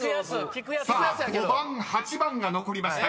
［さあ５番・８番が残りましたが］